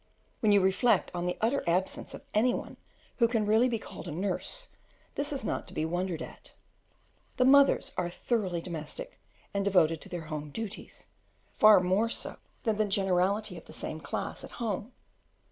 When you reflect on the utter absence of any one who can really be called a nurse, this is not to be wondered at. The mothers are thoroughly domestic and devoted to their home duties, far more so than the generality of the same class at home.